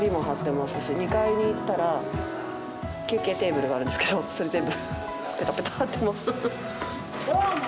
２階に行ったら休憩テーブルがあるんですけどそれ全部ペタペタ貼ってます。